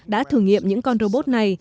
đã thử nghiệm những con robot này